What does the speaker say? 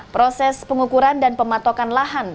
proses pengukuran dan pematokan lahan